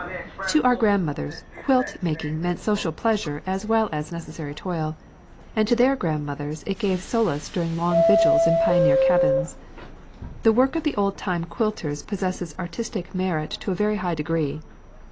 To our grandmothers quilt making meant social pleasure as well as necessary toil, and to their grandmothers it gave solace during long vigils in pioneer cabins. The work of the old time quilters possesses artistic merit to a very high degree.